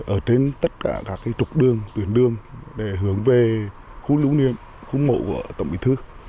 ở trên tất cả các trục đường tuyển đường để hướng về khu lũ niệm khu mộ của tổng bí thư